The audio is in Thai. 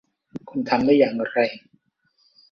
คุณทำได้อย่างไร ?